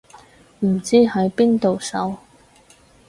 唔知喺邊度搜